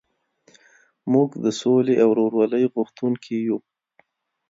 موږ د سولې او ورورولۍ غوښتونکي یو.